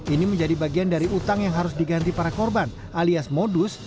ini menjadi bagian dari utang yang harus diganti para korban alias modus